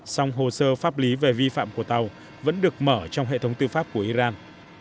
song hồ sơ pháp lý về vi phạm của tàu vẫn được mở trong hệ thống tư pháp của iran